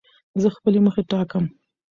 زه خپلي موخي ټاکم.